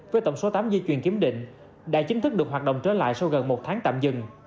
với tổng số tám dây chuyền kiểm định đã chính thức được hoạt động trở lại sau gần một tháng tạm dừng